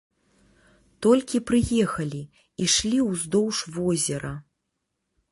Толькі прыехалі, ішлі ўздоўж возера.